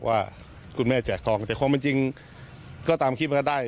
ว่าคุณแม่แจกทองแต่ความเป็นจริงก็ตามคลิปก็ได้